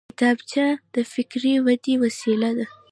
کتابچه د فکري ودې وسیله ده